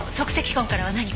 痕からは何か？